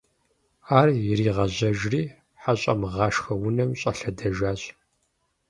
Ар иригъэжьэжри, ХьэщӀэмыгъашхэ унэм щӀэлъэдэжащ.